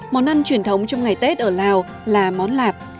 món ăn truyền thống trong ngày tết ở lào là món lạp